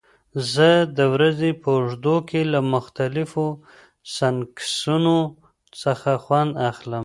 زه د ورځې په اوږدو کې له مختلفو سنکسونو څخه خوند اخلم.